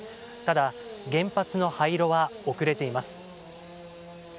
ただ、原発の廃炉は遅れています。